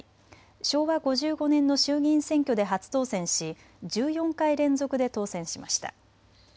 昭和５５年の衆議院選挙で初当選し１４回連続で当選しました。